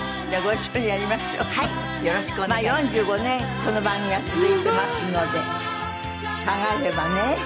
４５年この番組は続いてますので考えればね。